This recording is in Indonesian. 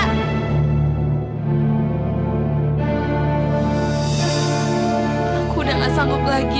aku udah nggak sanggup lagi da